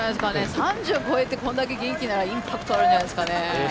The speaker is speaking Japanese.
３０超えてこんだけ元気なら、インパクトあるんじゃないですかね。